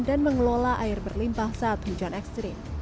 dan mengelola air berlimpah saat hujan ekstrim